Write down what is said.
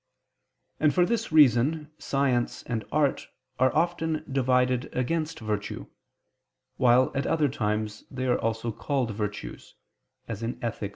And for this reason science and art are often divided against virtue; while at other times they are called virtues (Ethic.